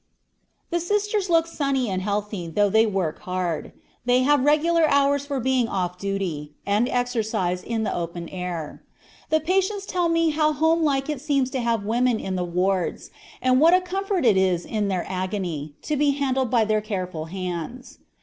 The sisters look sunny and healthy, though they work hard. They have regular hours for being off duty, and exercise in the open air. The patients tell me how "homelike it seems to have women in the wards, and what a comfort it is in their agony, to be handled by their careful hands."